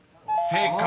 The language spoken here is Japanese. ［正解。